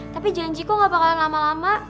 tapi janjiku gak bakalan lama lama